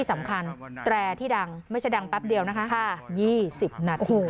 สำคัญแตรร์ที่ดังไม่ใช่ดังปั๊บเดียวนะคะห้ายี่สิบนาทีค่ะโอ้โห